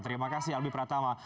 terima kasih albi pratama